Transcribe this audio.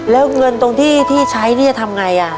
แล้วเงินตรงที่ที่ใช้นี่จะทำไง